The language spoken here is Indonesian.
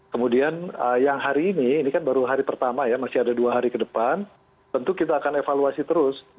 kemudian yang hari ini ini kan baru hari pertama ya masih ada dua hari ke depan tentu kita akan evaluasi terus